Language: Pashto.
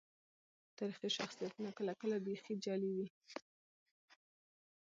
تاريخي شخصيتونه کله کله بيخي جعلي وي.